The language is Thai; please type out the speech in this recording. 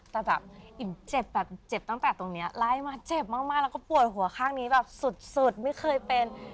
แต่แบบอิ่มเจ็บแบบเจ็บตั้งแต่ตรงนี้ไล่มาเจ็บมากแล้วก็ป่วยหัวข้างนี้แบบสุดไม่เคยเป็น